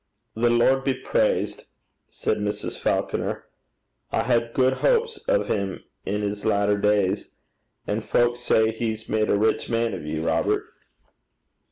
'The Lord be praised!' said Mrs. Falconer. 'I had guid houps o' 'im in 's latter days. And fowk says he's made a rich man o' ye, Robert?'